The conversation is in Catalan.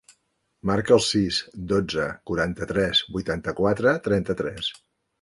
Marca el sis, dotze, quaranta-tres, vuitanta-quatre, trenta-tres.